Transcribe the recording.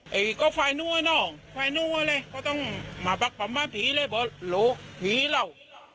เฮ้อไอ้ก็ไฟนู้นอ่ะน้องไฟนู้นอะไรก็ต้องมาบักปั๊มมะผีเลยเบาหลูกผีเหล่า